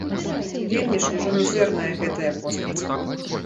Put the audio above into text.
Вельмі ж ужо мізэрная гэтая постаць.